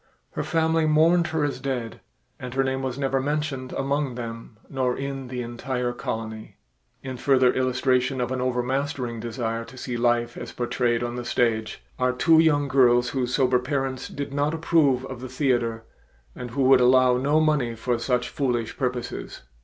Her family mourned her as dead and her name was never mentioned among them nor in the entire colony. In further illustration of an overmastering desire to see life as portrayed on the stage are two young girls whose sober parents did not approve of the theater and would allow no money for such foolish purposes.